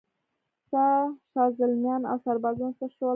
ستا شازلمیان اوسربازان څه شول؟